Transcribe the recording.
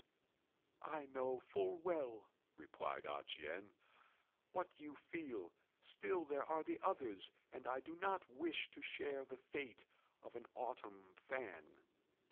"I know full well," replied A ch'ien, "what you feel; still there are the others, and I do not wish to share the fate of an autumn fan."